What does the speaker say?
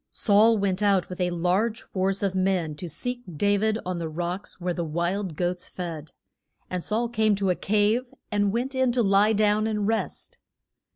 Saul went out with a large force of men to seek Da vid on the rocks where the wild goats fed. And Saul came to a cave, and went in to lie down and rest.